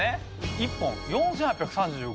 １本４８３５円。